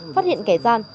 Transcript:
phát hiện kẻ gian